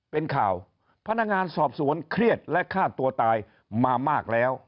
เป็นข่าวพนักงานสอบสวนเครียดและฆ่าตัวตายมามากแล้ว